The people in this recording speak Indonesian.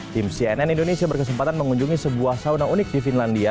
tim cnn indonesia berkesempatan mengunjungi sebuah sauna unik di finlandia